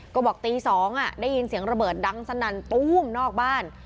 ก็บอกตี๒ได้ยินเสียงระเบิดดังสนั่นตู้มนอกบ้าน